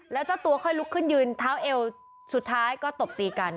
แล้วเจ้าตัวค่อยลุกขึ้นยืนเท้าเอวสุดท้ายก็ตบตีกัน